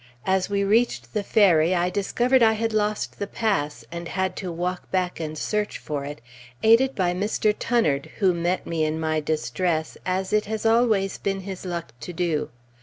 As we reached the ferry, I discovered I had lost the pass, and had to walk back and search for it, aided by Mr. Tunnard, who met me in my distress, as it has always been his luck to do.